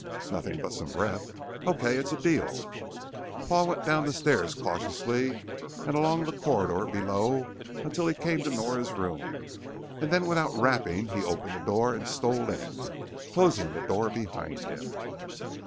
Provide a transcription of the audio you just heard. "Nothing but some breath. Okay, it's a deal." Paul went down the stairs cautiously, along the corridor below until he came to Nora's room, and then without rapping he opened the door and stole in, closing the door behind him.